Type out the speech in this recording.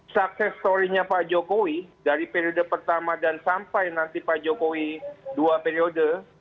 sukses story nya pak jokowi dari periode pertama dan sampai nanti pak jokowi dua periode